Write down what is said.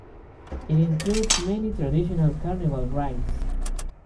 It includes many traditional carnival rides.